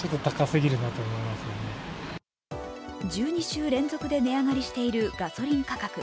１２週連続で値上がりしているガソリン価格。